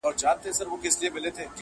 پر کنړ او کندهار یې پنجاب ګرځي.!